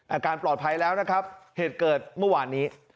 อาการปลอดภัยแล้วนะครับเหตุเกิดเมื่อวานนี้